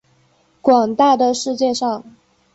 广大的世界上